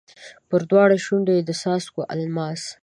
پر دواړو شونډو یې د څاڅکو الماس